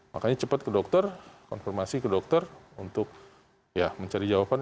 makanya cepat ke dokter konfirmasi ke dokter untuk mencari jawaban